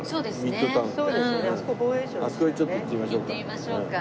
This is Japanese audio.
あそこにちょっと行ってみましょうか。